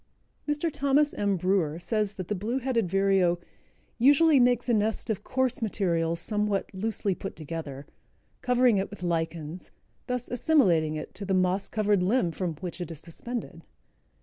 Mr. Thomas M. Brewer says that the Blue headed Vireo "usually makes a nest of coarse materials somewhat loosely put together, covering it with lichens, thus assimilating it to the moss covered limb from which it is suspended."